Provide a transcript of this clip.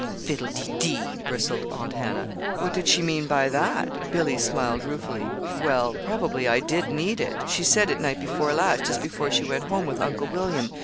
"Fiddlededee!" bristled Aunt Hannah. "What did she mean by that?" Billy smiled ruefully. "Well, probably I did need it. She said it night before last just before she went home with Uncle William.